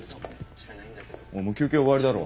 おいもう休憩終わりだろ。